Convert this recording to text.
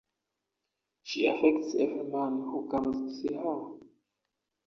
She affects every man who comes to see her.